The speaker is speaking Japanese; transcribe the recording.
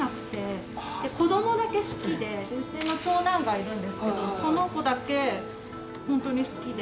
うちの長男がいるんですけどその子だけホントに好きで。